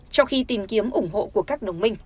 trong khi tìm kiếm ủng hộ của các đồng minh